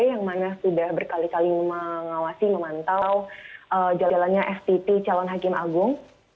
yang mana sudah berkali kali mengawasi memantau jalannya stt calon hakim agung